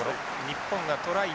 日本がトライ